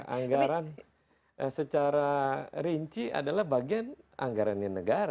anggaran secara rinci adalah bagian anggaran indonesia